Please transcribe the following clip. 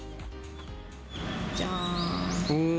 じゃーん。